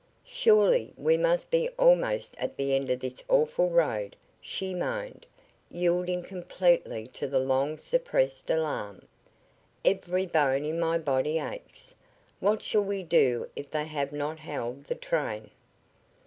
"Surely we must be almost at the end of this awful ride," she moaned, yielding completely to the long suppressed alarm. "Every bone in my body aches. What shall we do if they have not held the train?"